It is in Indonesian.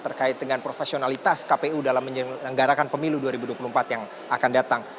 terkait dengan profesionalitas kpu dalam menyelenggarakan pemilu dua ribu dua puluh empat yang akan datang